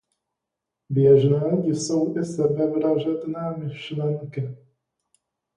Běžné jsou i sebevražedné myšlenky.